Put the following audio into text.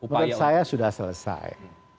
menurut saya sudah selesai